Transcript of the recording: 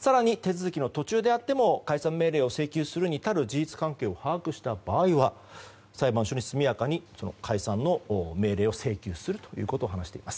更に、手続きの途中であっても解散命令を請求するに至る事実関係を把握した場合裁判所に速やかに解散命令を請求すると話しています。